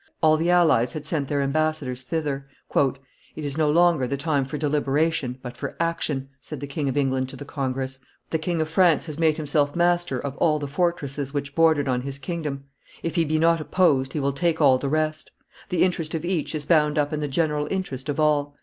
All the allies had sent their ambassadors thither. "It is no longer the time for deliberation, but for action," said the King of England to the congress "the King of France has made himself master of all the fortresses which bordered on his kingdom; if he be not opposed, he will take all the rest. The interest of each is bound up in the general interest of all.